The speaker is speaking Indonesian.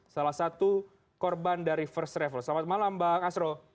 salah satu korban dari first travel selamat malam bang asro